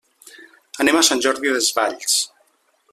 Anem a Sant Jordi Desvalls.